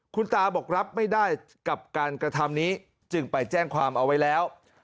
คุณตาบอกรับไม่ได้กับการกระทำนี้จึงไปแจ้งความเอาไว้แล้ว